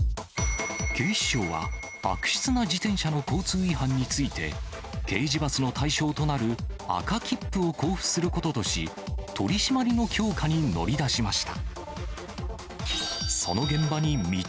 警視庁は、悪質な自転車の交通違反について、刑事罰の対象となる赤切符を交付することとし、取締りの強化に乗り出しました。